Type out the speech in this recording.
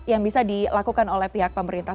yang bisa dilakukan oleh pihak pemerintah